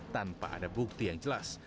tanpa ada bukti yang jelas